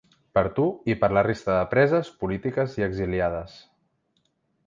Per tu i per la resta de preses polítiques i exiliades.